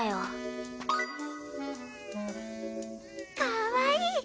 かわいい！